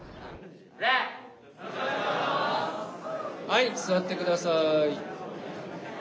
はい座って下さい。